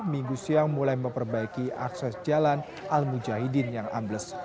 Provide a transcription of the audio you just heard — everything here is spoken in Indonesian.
minggu siang mulai memperbaiki akses jalan al mujahidin yang ambles